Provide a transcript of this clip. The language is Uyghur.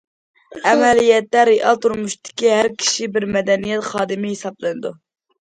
ئەمەلىيەتتە، رېئال تۇرمۇشتىكى ھەر كىشى بىر مەدەنىيەت خادىمى ھېسابلىنىدۇ.